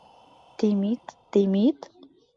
— Темит, Темит...